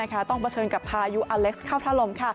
ต้องเผชิญกับพายุอเล็กซ์เข้าท่าลม